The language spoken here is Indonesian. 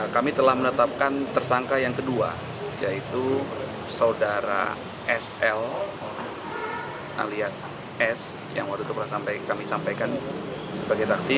kami telah menetapkan tersangka yang kedua yaitu saudara sl alias s yang waktu itu pernah kami sampaikan sebagai saksi